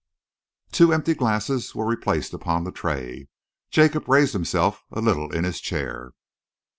Two empty glasses were replaced upon the tray. Jacob raised himself a little in his chair.